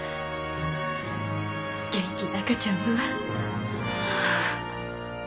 元気な赤ちゃんを産むわ。